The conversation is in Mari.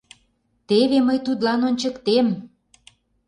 — Теве мый тудлан ончыктем!..